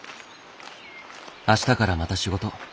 「明日からまた仕事」。